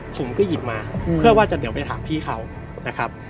ผมก็หยิบมาเพื่อว่าจะเดี๋ยวไปถามพี่เขานะครับ